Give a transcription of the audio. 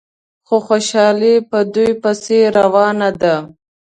خو خوشحالي په دوی پسې روانه ده.